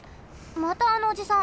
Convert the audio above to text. またあのおじさん。